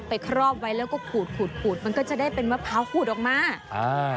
ครอบไว้แล้วก็ขูดขูดขูดมันก็จะได้เป็นมะพร้าวขูดออกมาอ่า